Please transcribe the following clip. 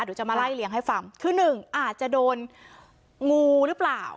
เดี๋ยวจะมาไล่เลี้ยงให้ฟังคือหนึ่งอาจจะโดนงูหรือเปล่า